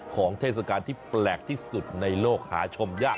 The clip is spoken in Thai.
เทศกาลที่แปลกที่สุดในโลกหาชมยาก